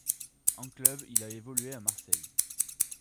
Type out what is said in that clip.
En club, il a évolué à Marseille.